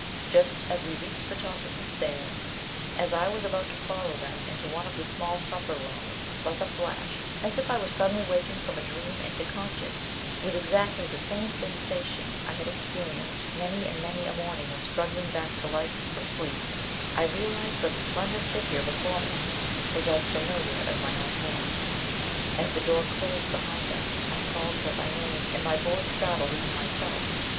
Just as we reached the top of the stairs, as I was about to follow them into one of the small supper rooms, like a flash, as if I were suddenly waking from a dream into conscious, with exactly the same sensation I have experienced many and many a morning when struggling back to life from sleep, I realized that the slender figure before me was as familiar as my own hand. As the door closed behind us, I called her by name and my voice startled even myself.